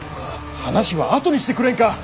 話は後にしてくれんか！